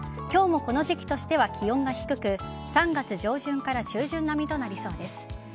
今日もこの時期としては気温が低く３月上旬から中旬並みとなりそうです。